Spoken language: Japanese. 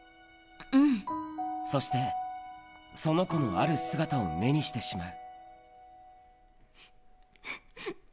そして、その子のある姿を目にしてしまう。